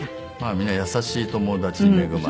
みんな優しい友達に恵まれて。